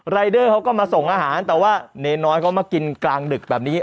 รายเดอร์เขาก็มาส่งอาหารแต่ว่าเนรน้อยเขามากินกลางดึกแบบนี้